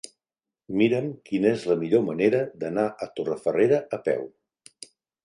Mira'm quina és la millor manera d'anar a Torrefarrera a peu.